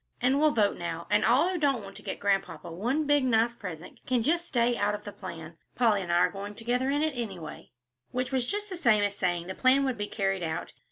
And we'll vote now, and all who don't want to get Grandpapa one big, nice present, can just stay out of the plan. Polly and I are going together in it, anyway." Which was just the same as saying the plan would be carried out.